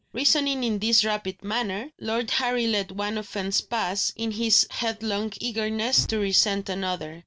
Reasoning in this rapid manner, Lord Harry let one offence pass, in his headlong eagerness to resent another.